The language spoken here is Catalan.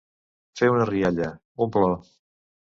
Fer una rialla, un plor.